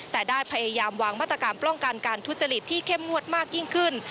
แต่ได้พยายามวางมาตรการป้องกันการทุจริตที่เข้มงวดมากยิ่งขึ้น